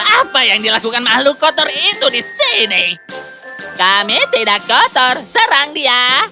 apa yang dilakukan makhluk kotor itu di sini kami tidak kotor serang dia